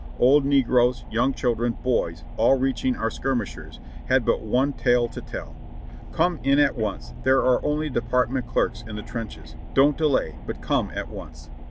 Old negroes, young children, boys, all reaching our skirmishers, had but one tale to tell: "Come in at once, there are only Department clerks in the trenches. Don't delay, but come at once."